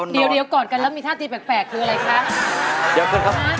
เดี๋ยวก่อนกันแล้วมีท่าทีแปลกคืออะไรคะ